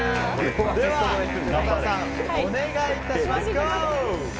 では横澤さん、お願いいたします。